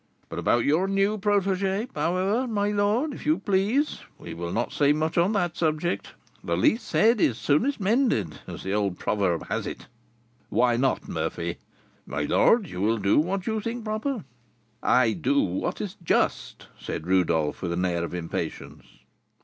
But about your new protégée, however, my lord; if you please, we will not say much on that subject. 'The least said is soonest mended,' as the old proverb has it." "Why not, Murphy?" "My lord, you will do what you think proper." "I do what is just," said Rodolph, with an air of impatience.